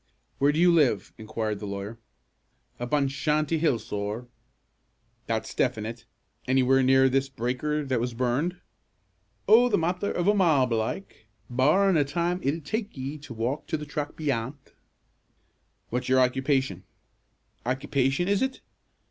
"Where do you live?" inquired the lawyer. "Up on Shanty Hill, sorr." "That's definite. Anywhere near this breaker that was burned?" "Oh, the matther of a mile belike, barrin' the time it'd take ye to walk to the track beyant." "What's your occupation?" "Occupation, is it?